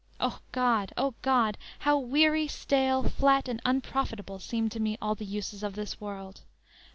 O God! O God! How weary, stale, flat and unprofitable Seem to me all the uses of this world!